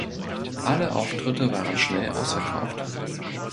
Alle Auftritte waren schnell ausverkauft.